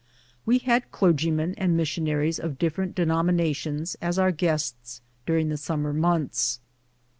We had clergyineii and missionaries of different de nominations as our guests during the summer months.